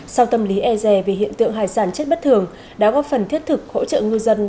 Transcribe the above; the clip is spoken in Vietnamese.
sau tâm lý e rè về hiện tượng hải sản chết bất thường đã góp phần thiết thực hỗ trợ ngư dân